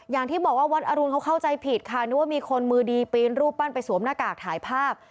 อย่างที่บอกว่าวัดอรุณเขาเข้าใจผิดค่ะนึกว่ามีคนมือดีปีนรูปปั้นไปสวมหน้ากากถ่ายภาพ